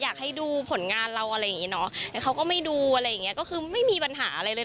อยากให้ดูผลงานเราอะไรอย่างงี้เนอะแต่เขาก็ไม่ดูอะไรอย่างเงี้ยก็คือไม่มีปัญหาอะไรเลย